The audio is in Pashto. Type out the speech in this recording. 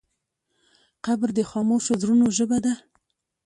قبر د خاموشو زړونو ژبه ده.